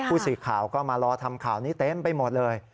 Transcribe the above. ผู้สื่อข่าวก็มารอทำข่าวนี้เต็มไปหมดเลย